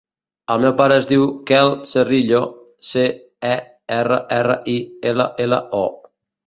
El meu pare es diu Quel Cerrillo: ce, e, erra, erra, i, ela, ela, o.